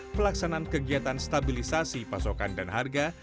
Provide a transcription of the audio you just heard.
pelaksanaan kegiatan stabilisasi pasokan dan harga